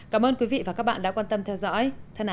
cảm ơn các bạn đã theo dõi